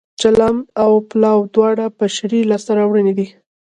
چلم او پلاو دواړه بشري لاسته راوړنې دي